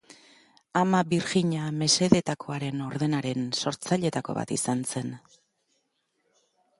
Ama Birjina Mesedetakoaren ordenaren sortzaileetako bat izan zen.